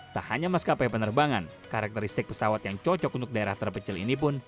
tak hanya maskapai penerbangan karakteristik pesawat yang cocok untuk daerah terpecil ini pun